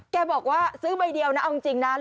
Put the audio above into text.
แกบอกว่าซื้อใบเดียวนะเอาจริงนะ